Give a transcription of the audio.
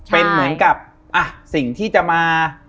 เป็นเหมือนกับสิ่งที่จะมา